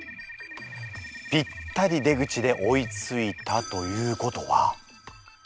ぴったり出口で追いついたということは？